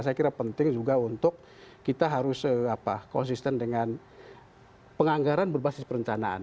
saya kira penting juga untuk kita harus konsisten dengan penganggaran berbasis perencanaan